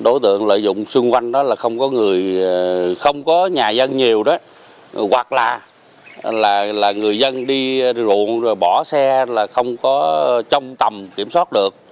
đối tượng lợi dụng xung quanh đó là không có nhà dân nhiều hoặc là người dân đi ruộng bỏ xe là không có trong tầm kiểm soát được